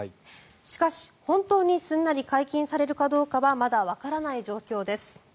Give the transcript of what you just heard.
しかし、本当にすんなり解禁されるかどうかはまだわからない状況です。